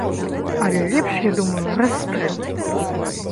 Але лепш, я думаю, расстрэл!